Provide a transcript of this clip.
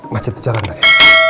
macet di jalan tadi